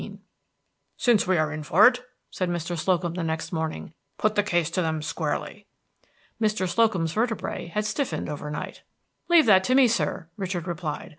XV "Since we are in for it," said Mr. Slocum the next morning, "put the case to them squarely." Mr. Slocum's vertebræ had stiffened over night. "Leave that to me, sir," Richard replied.